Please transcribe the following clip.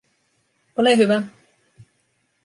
Ole hyvä